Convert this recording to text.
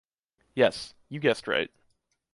Yes, you guessed right